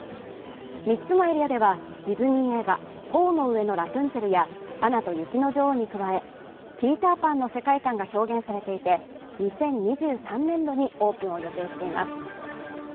３つのエリアではディズニー映画「塔の上のラプンツェル」や「アナと雪の女王」に加え、「ピーター・パン」の世界観が表現されていて２０２３年度にオープンを予定しています。